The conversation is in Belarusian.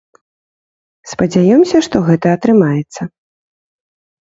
Спадзяёмся, што гэта атрымаецца.